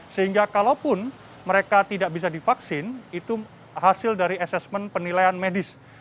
sehingga kalaupun mereka tidak bisa divaksin itu hasil dari asesmen penilaian medis